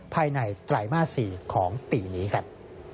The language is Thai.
ภายในไตรมาสีของปีนี้ครับ